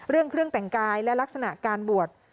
เรื่องเครื่องแต่งกายและลักษณะการบวช